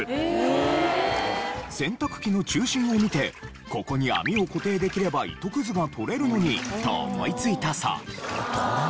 洗濯機の中心を見て「ここに網を固定できれば糸くずが取れるのに」と思いついたそう。